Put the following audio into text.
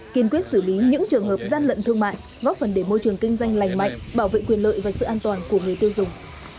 kiên quyết xử lý những trường hợp gian lận thương mại góp phần để môi trường kinh doanh lành mạnh bảo vệ quyền lợi và sự an toàn của người tiêu dùng